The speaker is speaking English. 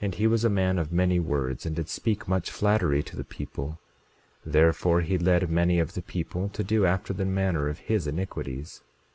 And he was a man of many words, and did speak much flattery to the people; therefore he led many of the people to do after the manner of his iniquities.